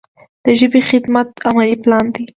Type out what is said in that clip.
د ژبې خدمت عملي پلان دی.